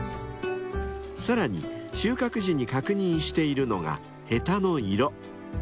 ［さらに収穫時に確認しているのがヘタの色］